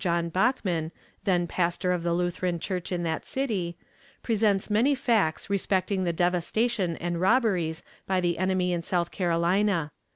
John Bachman, then pastor of the Lutheran Church in that city, presents many facts respecting the devastation and robberies by the enemy in South Carolina.